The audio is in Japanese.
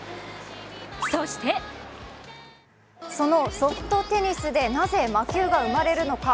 そしてそのソフトテニスでなぜ魔球が生まれるのか。